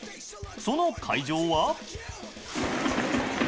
その会場は。